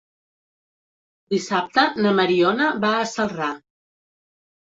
Dissabte na Mariona va a Celrà.